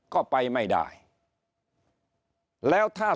ก็ไปไม่ได้